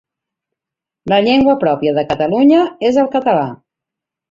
La llengua pròpia de Catalunya és el català.